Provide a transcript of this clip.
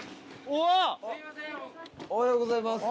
おはようございます。